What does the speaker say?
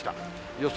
予想